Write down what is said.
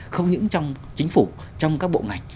không những trong chính phủ trong các bộ ngành